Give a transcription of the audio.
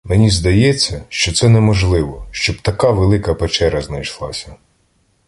Мені здається, що це неможливо, щоб така велика печера знайшлася.